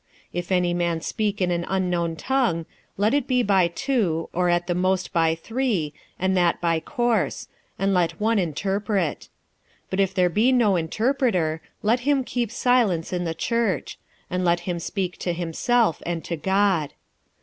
46:014:027 If any man speak in an unknown tongue, let it be by two, or at the most by three, and that by course; and let one interpret. 46:014:028 But if there be no interpreter, let him keep silence in the church; and let him speak to himself, and to God.